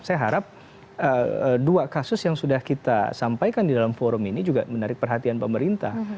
saya harap dua kasus yang sudah kita sampaikan di dalam forum ini juga menarik perhatian pemerintah